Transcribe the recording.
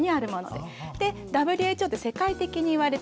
でＷＨＯって世界的にいわれてるもの